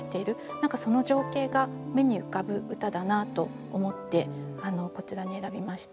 何かその情景が目に浮かぶ歌だなと思ってこちらに選びました。